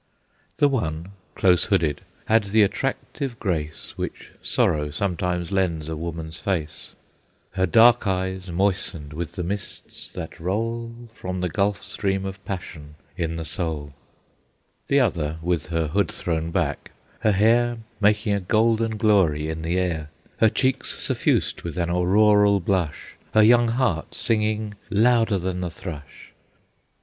The one, close hooded, had the attractive grace Which sorrow sometimes lends a woman's face; Her dark eyes moistened with the mists that roll From the gulf stream of passion in the soul; The other with her hood thrown back, her hair Making a golden glory in the air, Her cheeks suffused with an auroral blush, Her young heart singing louder than the thrush.